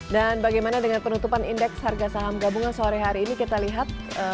dan bagaimana dengan penutupan indeks harga saham gabungan sore hari ini kita lihat